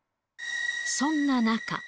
そんな中。